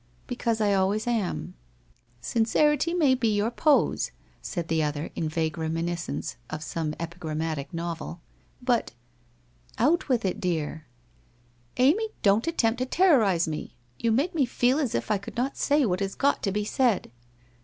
' Because I always am.' ' Sincerity may be your pose/ said the other in vague reminiscence of some epigrammatic novel. * But '' Out with it, dear !»' Amy, don't attempt to terrorize me ! You make me feel as if I could not say what has got to be said.'